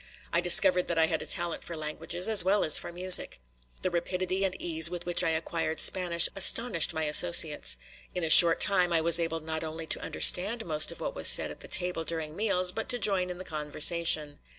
I discovered that I had a talent for languages as well as for music. The rapidity and ease with which I acquired Spanish astonished my associates. In a short time I was able not only to understand most of what was said at the table during meals, but to join in the conversation.